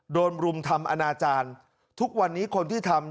รุมทำอนาจารย์ทุกวันนี้คนที่ทำ